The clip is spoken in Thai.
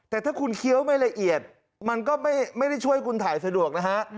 แต่ถ้าคุณเคี้ยวไม่ละเอียดมันก็ไม่ได้ช่วยคุณถ่ายสะดวกนะฮะ